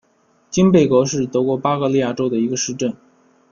金贝格是德国巴伐利亚州的一个市镇。